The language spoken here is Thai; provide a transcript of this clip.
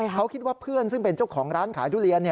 เขาคิดว่าเพื่อนซึ่งเป็นเจ้าของร้านขายทุเรียน